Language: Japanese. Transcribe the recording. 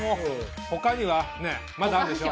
他には？ねぇまだあんでしょ？